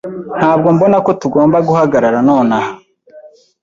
Ntabwo mbona ko tugomba guhagarara nonaha.